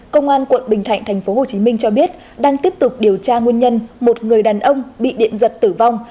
công an quận bình thạnh tp hcm cho biết đang tiếp tục điều tra nguyên nhân một người đàn ông bị điện giật tử vong